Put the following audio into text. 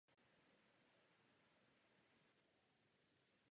Trh s plynem je žádoucí liberalizovat postupně, symetricky.